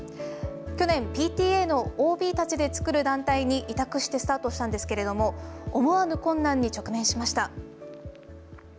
去年、ＰＴＡのＯＢたちで作る団体に委託してスタートしたんですけれども思わぬ困難に直面しました。